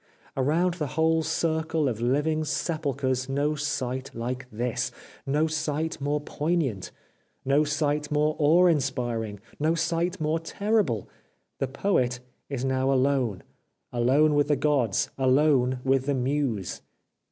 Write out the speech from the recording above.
Around the whole circle of living sepulchres no sight like this ! No sight more poignant ! No sight more awe inspiring ! No sight more terrible. The Poet is now alone ! Alone with the Gods ! Alone with the Muse